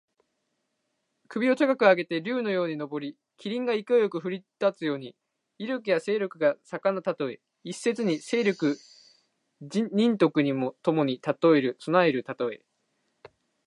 首を高く上げて竜のように上り、麒麟が勢いよく振るい立つように、威力や勢力が盛んなたとえ。一説に勢力・仁徳ともに備わるたとえ。